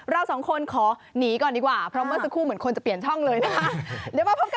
เราสองคนขอหนีก่อนดีกว่าเพราะเมื่อสักครู่เหมือนคนจะเปลี่ยนช่องเลยนะคะ